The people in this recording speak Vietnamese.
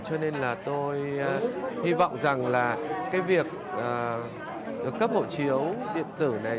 cho nên là tôi hy vọng rằng là cái việc được cấp hộ chiếu điện tử này